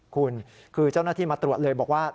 คุณคือเจ้าหน้าที่มาตรวจเลยบอกว่า